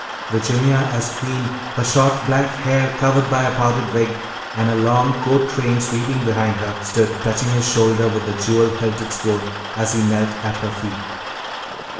Virginia as queen, her short black hair covered by a powdered wig, and a long court train sweeping behind her, stood touching his shoulder with the jewel hilted sword, as he knelt at her feet.